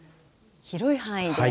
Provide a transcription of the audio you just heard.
広い範囲で。